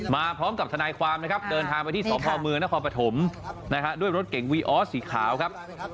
มาพร้อมกับทนายความนะครับเดินทางไปที่สมนครพด้วยรถเก่งวีอ้อสีขาวครับ